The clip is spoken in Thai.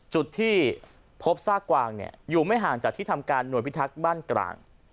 จุดที่พบซากกวางเนี่ยอยู่ไม่ห่างจากที่ทำการหน่วยพิทักษ์บ้านกลาง